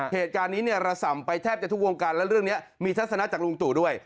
เหตุการณ์นี้เนี่ยระส่ำไปแทบจะทุกวงการและเรื่องนี้มีทัศนะจากลุงตู่ด้วย